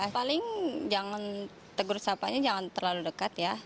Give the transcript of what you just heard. paling jangan tergurus apanya jangan terlalu dekat ya